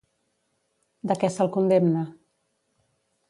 De què se'l condemna?